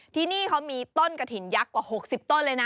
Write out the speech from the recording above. ที่นี่เขามีต้นกระถิ่นยักษ์กว่า๖๐ต้นเลยนะ